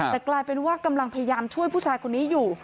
แต่กลายเป็นว่ากำลังพยายามช่วยผู้ชายคนนี้อยู่